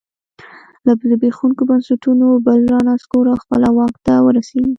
له زبېښونکو بنسټونو بل رانسکور او خپله واک ته ورسېږي.